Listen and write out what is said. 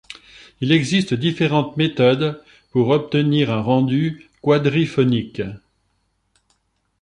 Il existe différentes méthodes pour obtenir un rendu quadriphonique.